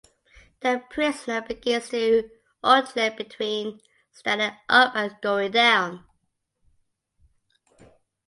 The prisoner begins to alternate between standing up and going down.